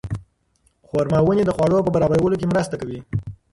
خورما ونې د خواړو په برابرولو کې مرسته کوي.